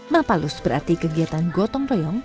mapalus berarti kegiatan gotong royong